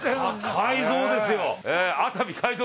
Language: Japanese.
改造ですよ。